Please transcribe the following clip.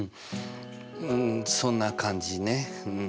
うんそんな感じねうん。